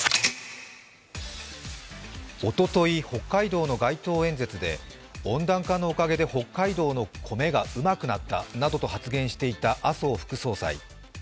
おととい、北海道の街頭演説で温暖化のおかげで北海道の米がうまくなったなどと発言していた麻生副総裁。